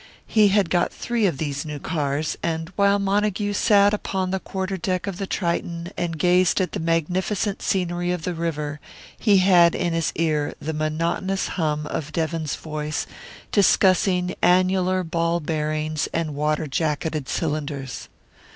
He had got three of these new cars, and while Montague sat upon the quarter deck of the Triton and gazed at the magnificent scenery of the river, he had in his ear the monotonous hum of Devon's voice, discussing annular ball bearings and water jacketed cylinders.